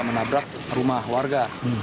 menabrak rumah warga